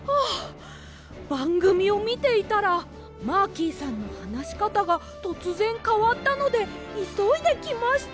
ばんぐみをみていたらマーキーさんのはなしかたがとつぜんかわったのでいそいできました！